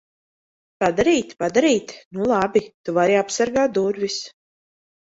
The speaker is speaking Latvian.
Padarīt? Padarīt? Nu labi. Tu vari apsargāt durvis.